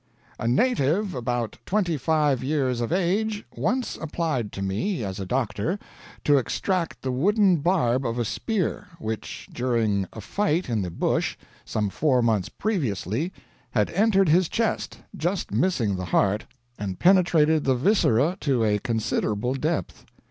"A native about twenty five years of age once applied to me, as a doctor, to extract the wooden barb of a spear, which, during a fight in the bush some four months previously, had entered his chest, just missing the heart, and penetrated the viscera to a considerable depth.